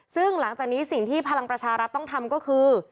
ซึ่งหลังจากนี้สิ่งที่พลังประชารัฐต้องทำก็คือ